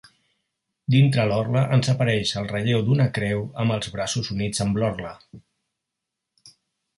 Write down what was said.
Dintre l'orla ens apareix el relleu d'una creu amb els braços units amb l'orla.